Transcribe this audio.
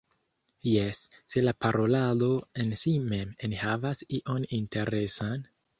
Jes, se la parolado en si mem enhavas ion interesan?